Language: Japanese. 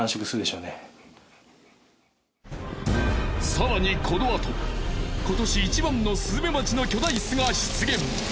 更にこの後今年一番のスズメバチの巨大巣が出現！